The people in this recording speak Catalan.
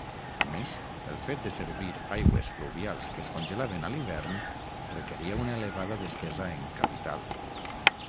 A més, el fet de servir aigües fluvials que es congelaven a l'hivern requeria una elevada despesa en capital.